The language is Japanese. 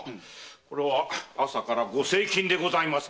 これは朝からご精勤でございます。